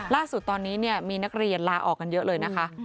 ล่าสุดตอนนี้มีนักเรียนลาออกกันเยอะเลยนะคะ